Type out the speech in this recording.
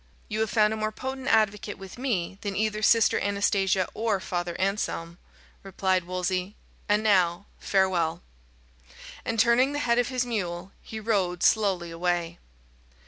"You have found a more potent advocate with me than either Sister Anastasia or Father Anselm," replied Wolsey; "and now, farewell." And turning the head of his mule, he rode slowly away.